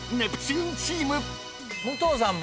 武藤さん